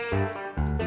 nih si tati